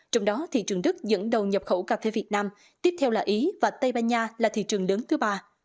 trong đó thị trường đức dẫn đầu nhập khẩu cà phê việt nam tiếp theo là ý và tây ban nha là thị trường lớn thứ ba